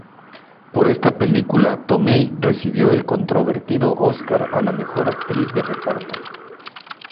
Por esta película Tomei recibió el controvertido Óscar a la mejor actriz de reparto.